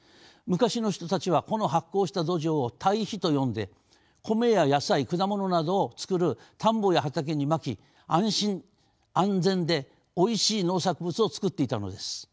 昔の人たちはこの発酵した土壌を堆肥と呼んで米や野菜果物などをつくる田んぼや畑にまき安心安全でおいしい農作物をつくっていたのです。